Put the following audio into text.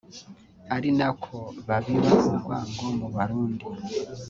ari nako babiba urwango mu Barundi